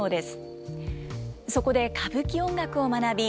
そこで歌舞伎音楽を学び